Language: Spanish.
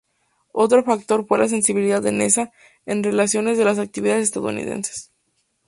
Otro factor fue la sensibilidad danesa en relación a las actividades estadounidenses.